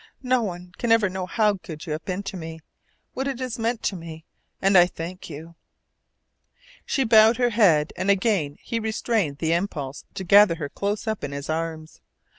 "No one can ever know how good you have been to me, what it has meant to me, and I thank you." She bowed her head, and again he restrained the impulse to gather her close up in his arms.